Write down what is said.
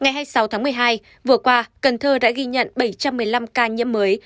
ngày hai mươi sáu tháng một mươi hai vừa qua cần thơ đã ghi nhận bảy trăm một mươi năm ca nhiễm mới